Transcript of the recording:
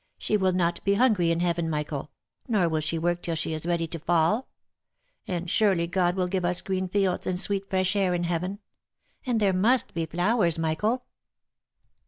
" She will not be hungry in Heaven, Michael, nor will she work till she is ready to fall : and surely God will give us green fields and sweet fresh air in Heaven, and there must be flowers, Michael.